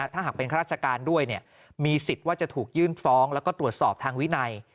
ถ้าหากเป็นข้าราชการด้วยมีสิทธิ์ว่าจะถูกยื่นฟ้องแล้วก็ตรวจสอบทางวินัย